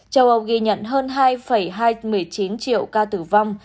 châu âu ghi nhận hơn hai một mươi chín triệu ca tử vong